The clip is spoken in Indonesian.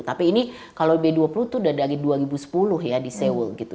tapi ini kalau b dua puluh itu udah dari dua ribu sepuluh ya di seoul gitu